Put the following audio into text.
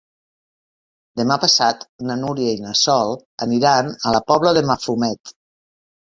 Demà passat na Núria i na Sol aniran a la Pobla de Mafumet.